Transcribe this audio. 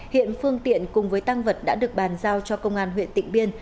hiện phương tiện cùng với tăng vật đã được bàn giao cho công an huyện tịnh biên